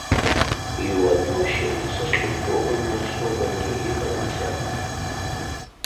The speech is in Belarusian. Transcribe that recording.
і ў адносінах са службовымі асобамі і грамадзянамі.